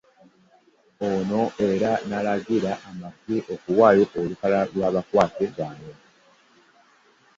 Ono era n'alagira amagye okuwaayo olukalala lw'abakwate bonna